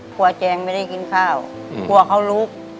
แจงไม่ได้กินข้าวกลัวเขาลุก